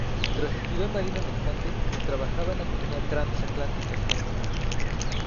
Tras estudiar Marina Mercante, trabaja en la Compañía Transatlántica Española.